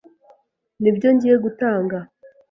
Nibyo ngiye gutanga.